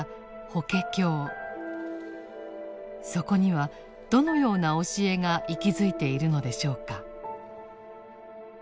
そこにはどのような教えが息づいているのでしょうか。